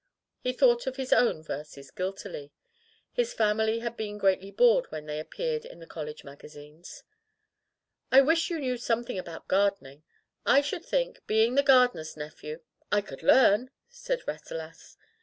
He thought of his own verses guiltily. His family had been greatly bored when they appeared in the college magazines. "I wish you knew something about gar dening. I should think, being the gardener's nephew " "I could learn!" said Rasselas.